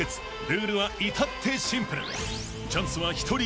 ルールは至ってシンプル］